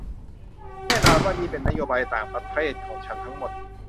แน่นอนว่านี่เป็นนโยบายต่างประเทศของฉันทั้งหมด